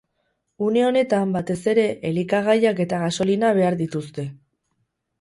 Une honetan, batez ere, elikagaiak eta gasolina behar dituzte.